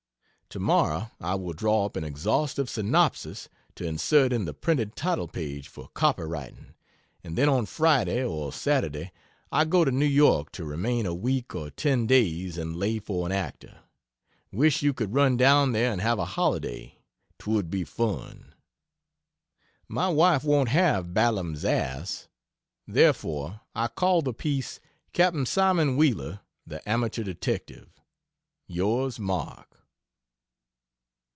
Tomorrow I will draw up an exhaustive synopsis to insert in the printed title page for copyrighting, and then on Friday or Saturday I go to New York to remain a week or ten days and lay for an actor. Wish you could run down there and have a holiday. 'Twould be fun. My wife won't have "Balaam's Ass"; therefore I call the piece "Cap'n Simon Wheeler, The Amateur Detective." Yrs MARK.